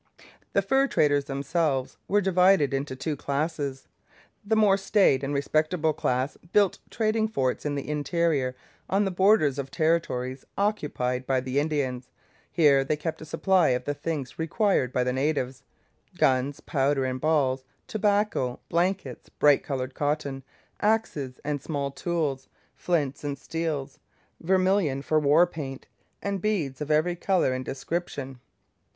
The fur traders themselves were divided into two classes. The more staid and respectable class built trading forts in the interior on the borders of territories occupied by the Indians. Here they kept a supply of the things required by the natives: guns, powder and balls, tobacco, blankets, bright coloured cotton, axes and small tools, flints and steels, vermilion for war paint, and beads of every colour and description.